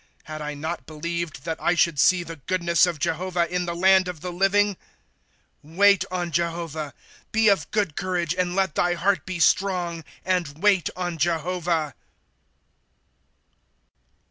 ^^ Had I not believed that I should see the goodness of Jehovah, In the land of the living !" Wait on Jehovah; Be of good courage, and let thy heart be strong, And wait on Jehovah.